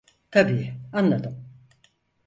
Tabii, anladım.